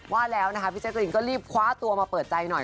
ว่าแล้วนะคะพี่แจ๊กรีนก็รีบคว้าตัวมาเปิดใจหน่อย